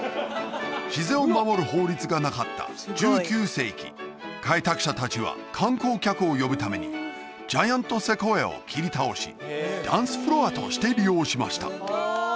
自然を守る法律がなかった１９世紀開拓者達は観光客を呼ぶためにジャイアントセコイアを切り倒しダンスフロアとして利用しました